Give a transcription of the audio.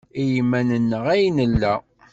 I yiman-nneɣ ay nella.